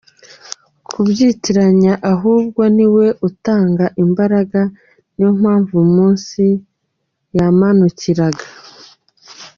kubyitiranya ahubwo niwe utanga Imbaraga, niyo mpamvu umunsi yamanukiraga.